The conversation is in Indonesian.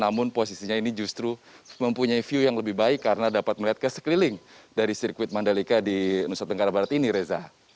namun posisinya ini justru mempunyai view yang lebih baik karena dapat melihat ke sekeliling dari sirkuit mandalika di nusa tenggara barat ini reza